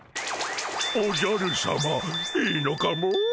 おじゃるさまいいのかモ？